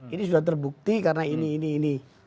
ini sudah terbukti karena ini ini ini